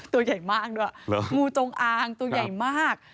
ตัวใหญ่มากด้วยงูจงอางตัวใหญ่มาก